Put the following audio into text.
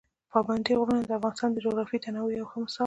پابندي غرونه د افغانستان د جغرافیوي تنوع یو ښه مثال دی.